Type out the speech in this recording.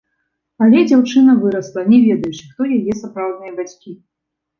Але дзяўчына вырасла, не ведаючы, хто яе сапраўдныя бацькі.